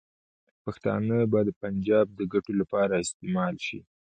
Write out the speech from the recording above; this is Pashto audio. پښتانه به د پنجاب د ګټو لپاره استعمال شي.